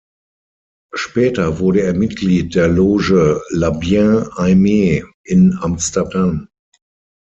Später wurde er Mitglied der Loge "La Bien Aimee" in Amsterdam.